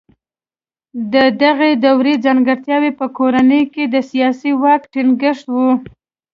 د دغې دورې ځانګړتیاوې په کورنۍ کې د سیاسي واک ټینګښت و.